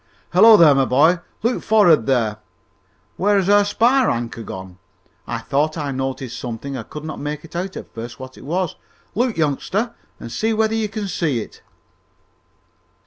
Hullo! though, my boy, look forrad there! Where has our spar anchor gone? I thought I noticed something and could not make out at first what it was. Look, youngster, and see whether you can see it!"